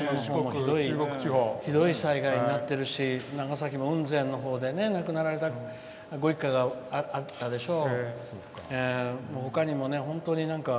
ひどい災害になってるし長崎も雲仙のほうで亡くなられたご一家があったでしょう。